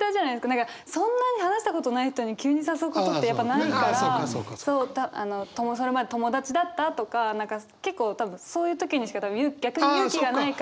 そんなに話したことない人に急に誘うことってやっぱないからそれまで友達だったとか何か結構そういう時にしか逆に勇気がないから誘えなくて。